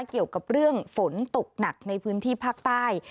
เกี่ยวกับเรื่องฝนตกหนักในพื้นที่ภาคใต้